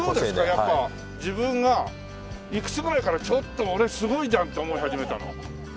やっぱ自分がいくつぐらいからちょっと俺すごいじゃんって思い始めたの？